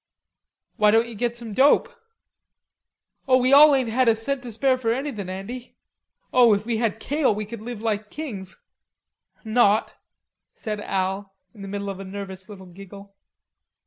"Why don't you get some dope?" "Oh, we all ain't had a cent to spare for anythin', Andy." "Oh, if we had kale we could live like kings not," said Al in the middle of a nervous little giggle.